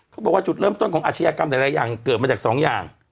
เขาบอกว่าจุดเริ่มต้นของอาชญากรรมหลายอย่างเกิดมาจากสองอย่าง